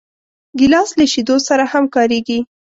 ګیلاس له شیدو سره هم کارېږي.